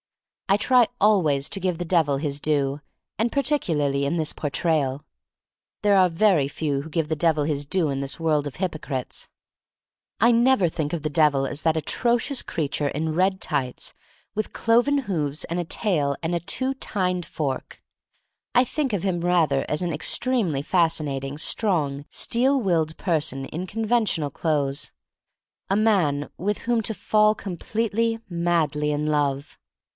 I try always to give the Devil his due — and particularly in this Portrayal. There are very few who give the Devil his due in this world of hypo crites. I never think of the Devil as that atrocious creature in red tights, with cloven hoofs and a tail and a two tined fork. I think of him rather as an ex tremely fascinating, strong, steel willed person in conventional clothes — a man with whom to fall completely, madly in love.